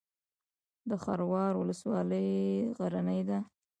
د خروار ولسوالۍ غرنۍ ده